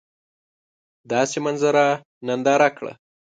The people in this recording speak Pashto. داسي منظره ننداره کړه !